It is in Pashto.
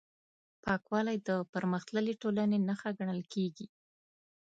پاکوالی د پرمختللې ټولنې نښه ګڼل کېږي.